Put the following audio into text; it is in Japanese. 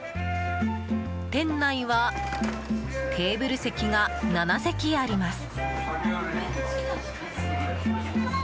店内はテーブル席が７席あります。